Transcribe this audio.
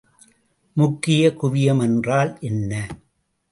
முக்கிய குவியம் என்றால் என்ன?